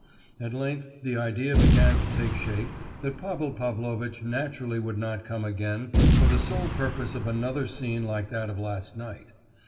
At length the idea began to take shape that Pavel Pavlovitch naturally would not come again for the sole purpose of another scene like that of last night.